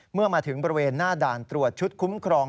เมื่อมาถึงบริเวณหน้าด่านตรวจชุดคุ้มครอง